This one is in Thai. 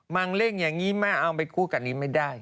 งเร่งอย่างนี้แม่เอาไปคู่กับนี้ไม่ได้